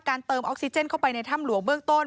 เติมออกซิเจนเข้าไปในถ้ำหลวงเบื้องต้น